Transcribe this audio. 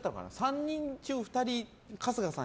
３人中２人春日さん